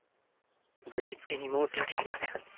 ぶしつけに申し訳ありません。